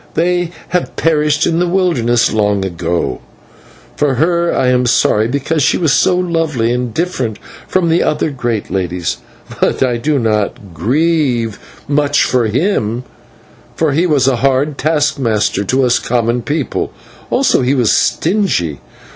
They have perished in the wilderness long ago. For her I am sorry, because she was so lovely and different from other great ladies; but I do not grieve much for him, for he was a hard taskmaster to us common people; also he was stingy.